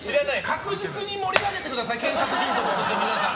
確実に盛り上げてください健作ヒントが出たら。